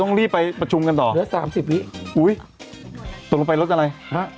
ตกลงไปรถกันอะไร